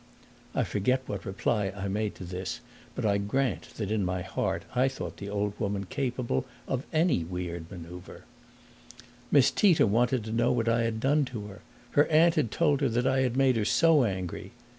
I forget what reply I made to this, but I grant that in my heart I thought the old woman capable of any weird maneuver. Miss Tita wanted to know what I had done to her; her aunt had told her that I had made her so angry.